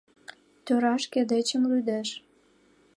Тӧра шке дечем лӱдеш.